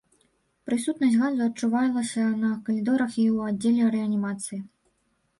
Прысутнасць газу адчувалася на калідорах і ў аддзеле рэанімацыі.